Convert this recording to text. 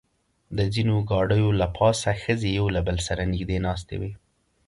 د ځینو ګاډیو له پاسه ښځې یو له بل سره نږدې ناستې وې.